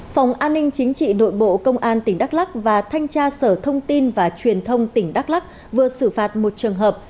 phòng an ninh chính trị nội bộ công an tỉnh đắk lắc và thanh tra sở thông tin và truyền thông tỉnh đắk lắc vừa xử phạt một trường hợp